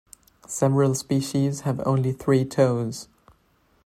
Several species have only three toes.